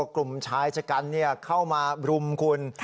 กลุ่มชายชะกันเข้ามารุมคุณ